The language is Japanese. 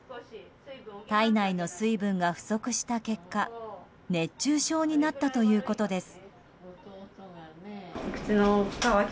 体内の水分が不足した結果熱中症になったということです。